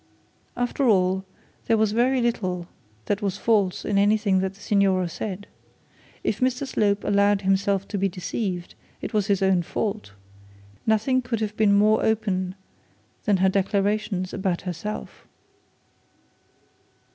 After all, there was very little that was false in anything the signora said. If Mr Slope allowed himself to be deceived it was his own fault. Nothing could have been more open than her declarations about herself.